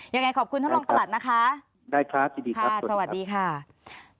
ยังไงขอบคุณท่านรองประหลัดนะคะสวัสดีครับสวัสดีครับสวัสดีครับสวัสดีครับสวัสดีครับ